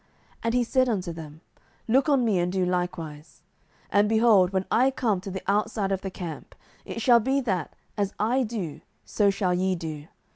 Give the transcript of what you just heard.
07:007:017 And he said unto them, Look on me, and do likewise: and, behold, when I come to the outside of the camp, it shall be that, as I do, so shall ye do.